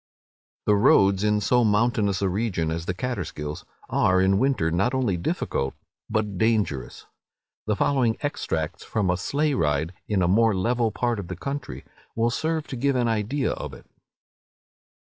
The roads, in so mountainous a region as the Catterskills, are in winter not only difficult, but dangerous. The following extracts from a sleigh ride in a more level part of the country, will serve to give an idea of it.